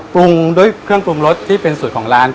ปรุงด้วยเครื่องปรุงรสที่เป็นสูตรของร้าน